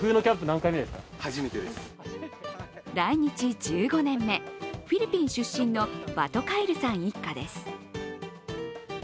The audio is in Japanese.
来日１５年目、フィリピン出身のバトカイルさん一家です。